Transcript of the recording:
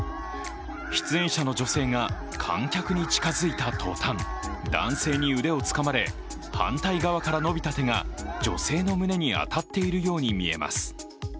出演者の女性が観客に近付いた途端、男性に腕をつかまれ、反対側から伸びた手が女性の胸に当たっているように見えます。